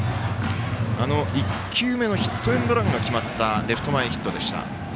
１球目のヒットエンドランが決まったレフト前ヒット。